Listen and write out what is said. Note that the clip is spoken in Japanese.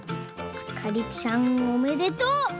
あかりちゃんおめでとう！